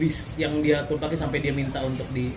bis yang dia turki sampai dia minta untuk di